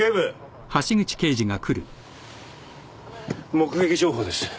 目撃情報です。